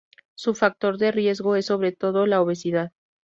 Su factor de riesgo es sobre todo la obesidad.